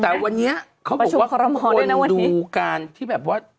แต่วันนี้เขาบอกว่าขอรมอลดูการที่แบบว่า